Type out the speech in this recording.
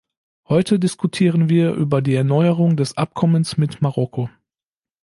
Heute diskutieren wir über die Erneuerung des Abkommens mit Marokko.